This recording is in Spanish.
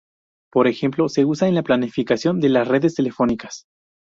Por ejemplo, se usa en la planificación de las redes telefónicas.